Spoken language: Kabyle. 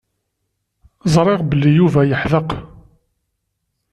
Ẓriɣ belli Yuba yeḥdeq.